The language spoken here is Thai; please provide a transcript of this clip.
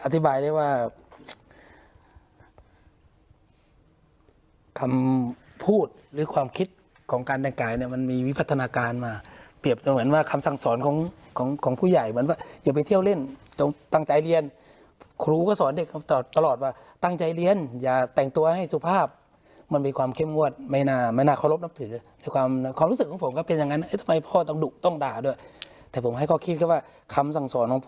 อธิบายเลยว่าคำพูดหรือความคิดของการแต่งกายมันมีวิพัฒนาการมาเปรียบเหมือนว่าคำสั่งสอนของผู้ใหญ่เหมือนว่าอย่าไปเที่ยวเล่นตั้งใจเรียนครูก็สอนเด็กตลอดว่าตั้งใจเรียนอย่าแต่งตัวให้สุภาพมันมีความเข้มงวดไม่น่าเคารพนับถือความรู้สึกของผมก็เป็นอย่างนั้นทำไมพ่อต้องดุต้องด่าด้วยแต่ผมให้เขา